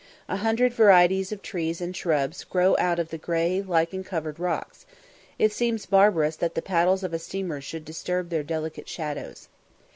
A hundred varieties of trees and shrubs grow out of the grey lichen covered rocks it seems barbarous that the paddles of a steamer should disturb their delicate shadows.